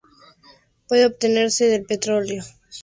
Puede obtenerse del petróleo, o a partir del maíz.